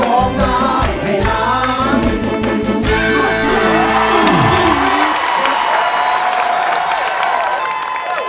ร้องได้ให้น้ำ